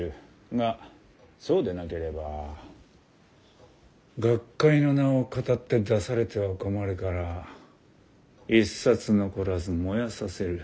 がそうでなければ学会の名をかたって出されては困るから一冊残らず燃やさせる。